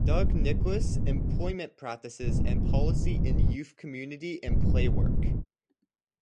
Doug Nicholls: Employment practices and policy in youth, community and playwork.